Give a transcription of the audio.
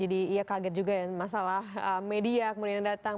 jadi iya kaget juga ya masalah media kemudian datang